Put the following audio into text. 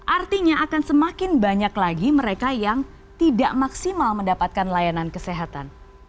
artinya akan semakin banyak lagi mereka yang tidak maksimal mendapatkan layanan kesehatan